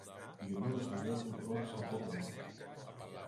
Και γυρνώντας στο γιο του ρώτησε απότομα